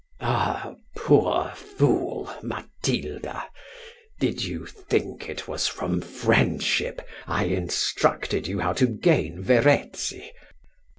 "Ah! poor fool, Matilda, did you think it was from friendship I instructed you how to gain Verezzi?